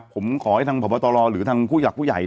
ผมขอให้ทางพบตรหรือทางผู้หลักผู้ใหญ่